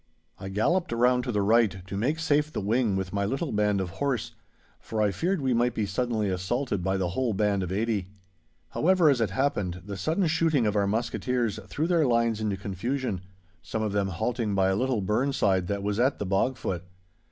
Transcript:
I galloped round to the right, to make safe the wing with my little band of horse, for I feared we might be suddenly assaulted by the whole band of eighty. However, as it happened, the sudden shooting of our musketeers threw their lines into confusion, some of them halting by a little burn side that was at the bog foot.